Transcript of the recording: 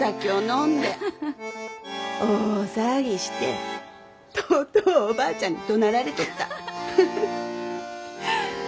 大騒ぎしてとうとうおばあちゃんにどなられとった。